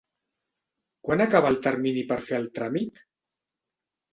Quan acaba el termini per fer el tràmit?